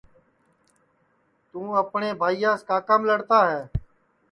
توں اپٹؔؔے بھائیاس کاکام لڑتا ہے